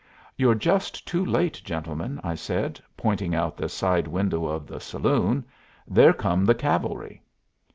"You're just too late, gentlemen," I said, pointing out the side window of the saloon. "There come the cavalry."